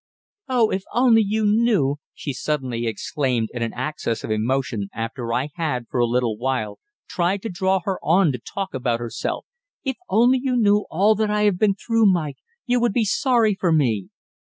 "Oh, if only you knew," she suddenly exclaimed in an access of emotion, after I had, for a little while, tried to draw her on to talk about herself, "if only you knew all that I have been through, Mike, you would be sorry for me!"